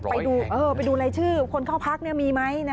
ไปดูรายชื่อคนเข้าพักเนี่ยมีไหมนะคะ